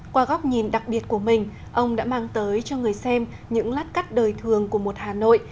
qua góc nhìn đặc biệt của mình ông đã mang tới cho người xem những lát cắt đời thường của một hà nội